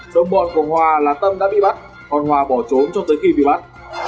đồng bọn của hòa là tâm đã bị bắt còn hòa bỏ trốn cho tới khi bị bắt